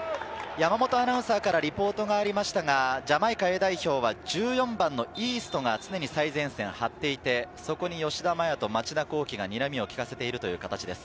山本アナウンサーからリポートがありましたが、ジャマイカＡ代表は１４番のイーストが常に最前線に張っていて、そこに吉田麻也と町田浩樹がにらみをきかせているという形です。